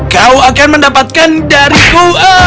kau akan mendapatkan dariku